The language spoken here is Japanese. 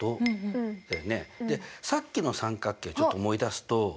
でさっきの三角形ちょっと思い出すと。